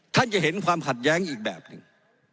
ท่านจะเห็นความขัดแย้งอีกแบบหนึ่ง